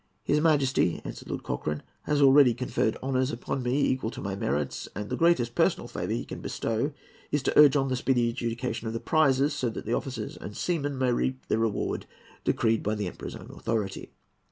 "His Majesty," answered Lord Cochrane, "has already conferred honours upon me quite equal to my merits, and the greatest personal favour he can bestow is to urge on the speedy adjudication of the prizes, so that the officers and seamen may reap the reward decreed by the Emperor's own authority."